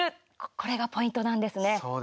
これがポイントなんですね。